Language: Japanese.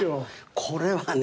これはね